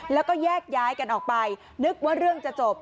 แล้วก็แยกย้ายกันออกไปนึกว่าเรื่องจะจบ